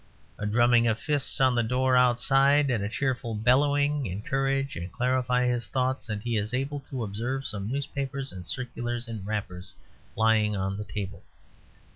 A drumming of fists on the door outside and a cheerful bellowing encourage and clarify his thoughts; and he is able to observe some newspapers and circulars in wrappers lying on the table.